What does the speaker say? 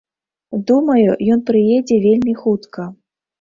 Думаю, ён прыедзе вельмі хутка.